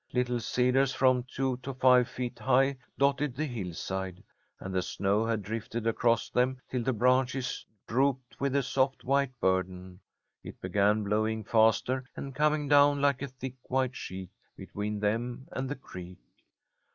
Little cedars from two to five feet high dotted the hillside, and the snow had drifted across them till the branches drooped with the soft white burden. It began blowing faster, and coming down like a thick white sheet between them and the creek.